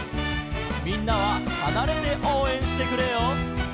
「みんなははなれておうえんしてくれよ」